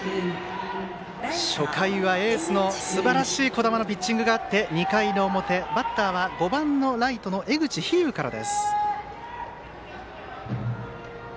初回はエースのすばらしい児玉のピッチングがあって２回の表、バッターは５番のライト、江口飛勇からです。